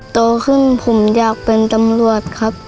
โตขึ้นผมอยากเป็นตำรวจครับ